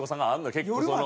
結構その。